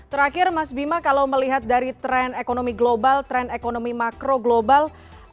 terakhir mas bima kalau melihat dari tren ekonomi global tren ekonomi makro global